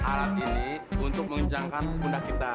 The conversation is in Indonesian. alat ini untuk mengencangkan bunda kita